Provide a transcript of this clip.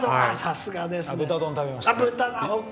豚丼、食べました。